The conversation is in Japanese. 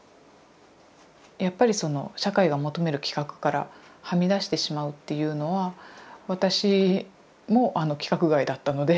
やっぱりその社会が求める規格からはみ出してしまうっていうのは私も規格外だったので。